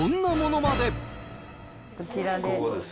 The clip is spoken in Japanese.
こちらです。